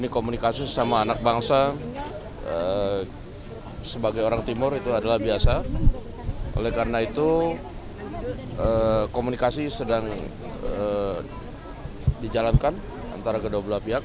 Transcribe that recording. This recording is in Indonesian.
komunikasi sedang dijalankan antara kedua belah pihak